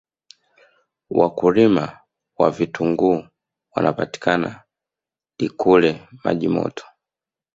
wakulima wa vitunguu wanapatika likule majimoto